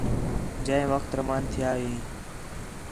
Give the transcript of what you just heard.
جئے وخت روان تِھیا ہیں